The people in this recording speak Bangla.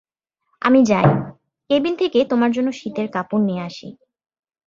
আমি যাই, কেবিন থেকে তোমার জন্য শীতের কাপড় নিয়ে আসি।